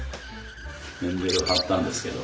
年齢を貼ったんですけど。